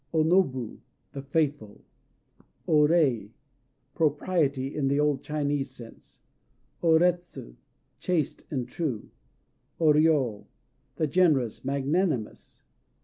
O Nobu "The Faithful." O Rei "Propriety," in the old Chinese sense. O Retsu "Chaste and True." O Ryô "The Generous," magnanimous.